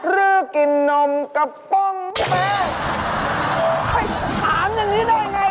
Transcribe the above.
รื่อกินนมกะป้องแหละ